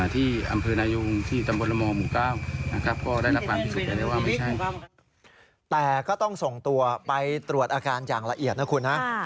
แต่ก็ต้องส่งตัวไปตรวจอาการอย่างละเอียดนะคุณฮะ